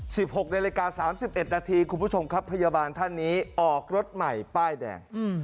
๑๖ในรายการ๓๑นาทีคุณผู้ชมครับพยาบาลท่านนี้ออกรถใหม่ป้ายแดง